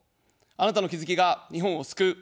あなたの気づきが日本を救う。